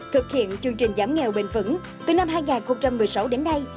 thực hiện chương trình giảm nghèo bền vững từ năm hai nghìn một mươi sáu đến nay